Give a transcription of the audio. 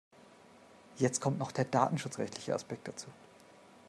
Jetzt kommt noch der datenschutzrechtliche Aspekt dazu.